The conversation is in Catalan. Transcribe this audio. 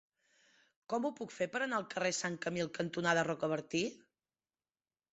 Com ho puc fer per anar al carrer Sant Camil cantonada Rocabertí?